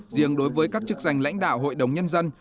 riêng đối với các chức danh lãnh đạo hội đồng nhân dân